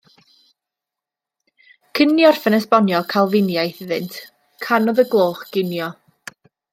Cyn i ni orffen esbonio Calfiniaeth iddynt, canodd y gloch ginio.